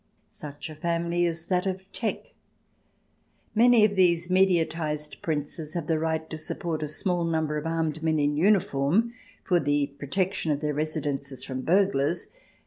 Such a family is that of Teck, Many of these mediatized Princes have the right to support a small number of armed men in uniform for the protection of their residences from burglars.